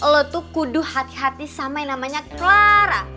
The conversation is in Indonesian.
lo tuh kudu hati hati sama yang namanya clara